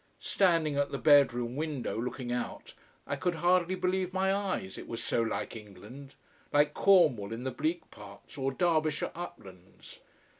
Standing at the bedroom window looking out, I could hardly believe my eyes it was so like England, like Cornwall in the bleak parts, or Derbyshire uplands.